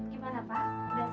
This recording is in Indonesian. gimana pak udah selesai